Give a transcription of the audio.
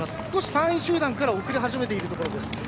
少し３位集団から遅れ始めているところです。